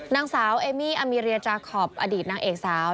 นางสาวเอมี่อามีเรียจาคอปอดีตนางเอกสาว